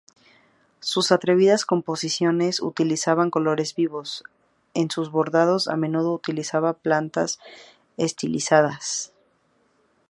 Sus atrevidas composiciones utilizaban colores vivos; en sus bordados a menudo utiliza plantas estilizadas.